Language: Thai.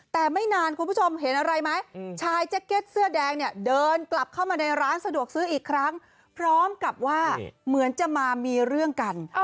แต่ไม่นานคุณผู้ชมเห็นอะไรไหมชายแจ็คเก็ตเสื้อแดงเนี่ยเดินกลับเข้ามาในร้านสะดวกซื้ออีกครั้งพร้อมกับว่าเหมือนจะมามีเรื่องกัน